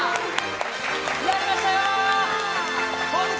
やりましたよ！